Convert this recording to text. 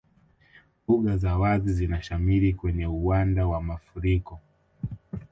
Mbuga za wazi zinashamiri kwenye uwanda wa mafuriko